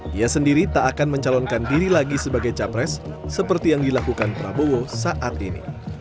dia sendiri tak akan mencalonkan diri lagi sebagai capres seperti yang dilakukan prabowo saat ini